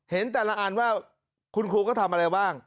เห็นแต่ละอันว่าคุณครูก็ทำอะไรบ้าง